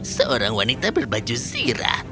seorang wanita berbaju zirah